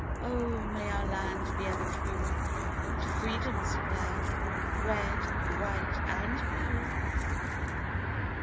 Oh, may our land be ever true To freedom's flag, Red, White and Blue.